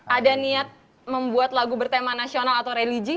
ada yang nanya ke dekat membuat lagu bertema nasional atau religi